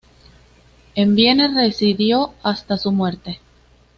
En Viena residió hasta su muerte.